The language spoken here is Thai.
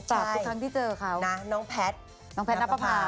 กราบทุกครั้งที่เจอเค้าน้องแพทน้องแพทนักภาพ